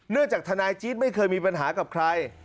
จากทนายจี๊ดไม่เคยมีปัญหากับใคร